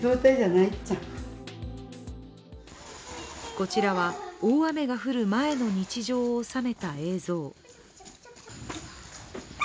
こちらは、大雨が降る前の日常を収めた映像。